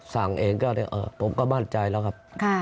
เองก็ผมก็มั่นใจแล้วครับ